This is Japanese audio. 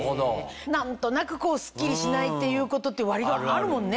何となくスッキリしないっていうことって割とあるもんね。